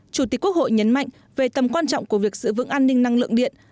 chủ tịch quốc hội nhấn mạnh về tầm quan trọng của việc giữ vững an ninh năng lượng điện